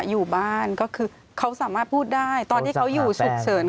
อยู่บ้านก็คือเขาสามารถพูดได้ตอนที่เขาอยู่ฉุกเฉิน